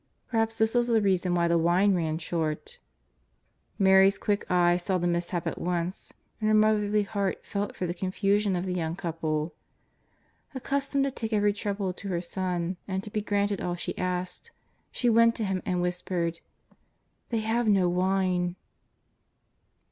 Perhaps this was the reason why the wine ran short. Mary's quick eye saw the mishap at once, and her motherly heart felt for tlie confusion of the young couple. Accustomed to take every trouble to her Son, and to be granted all she asked, she went to Him and whispered :" They have no wine."